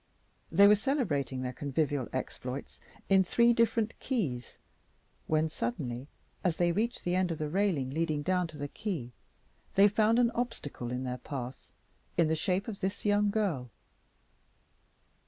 They were celebrating their convivial exploits in three different keys, when suddenly, as they reached the end of the railing leading down to the quay, they found an obstacle in their path, in the shape of this young girl.